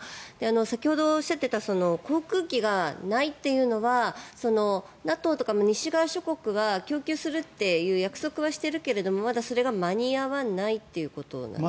先ほどおっしゃっていた航空機がないっていうのはＮＡＴＯとか西側諸国は供給するという約束はしているけどまだそれが間に合わないということですか。